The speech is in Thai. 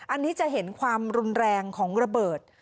อันนี้จะเห็นความรุนแรงของระเบิด